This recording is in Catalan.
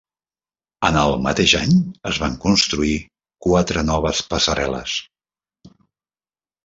En el mateix any es van construir quatre noves passarel·les.